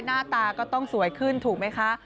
หน้าตาก็ต้องสวยขึ้นถูกไหมคะ